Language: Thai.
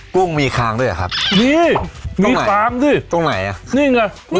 กุ้งมีคางด้วยอะครับมีมีคางสิต้องไหนต้องไหนอะนี่ไง